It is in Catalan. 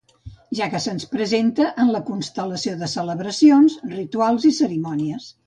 Ja que se’ns presenta en la constel·lació de celebracions, rituals i cerimònies.